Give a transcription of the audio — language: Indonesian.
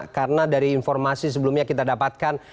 karena dari informasi sebelumnya kita dapatkan